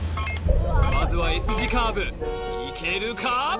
まずはＳ字カーブいけるか？